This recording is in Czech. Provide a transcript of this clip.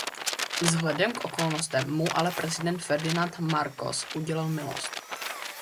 Vzhledem k okolnostem mu ale prezident Ferdinand Marcos udělil milost.